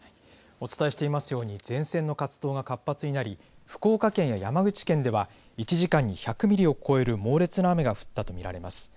お伝えしていますように前線の活動が活発になり福岡県や山口県では１時間に１００ミリを超える猛烈な雨が降ったと見られます。